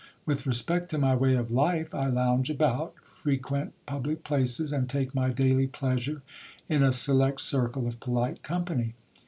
With respect to my way of life, I lounge about, frequent public places, and take my daily pleasure in a select circle of polite company.